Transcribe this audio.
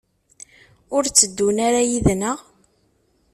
Ur tteddun ara yid-neɣ?